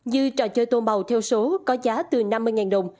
như trò chơi tôm bầu theo số có giá từ năm mươi đồng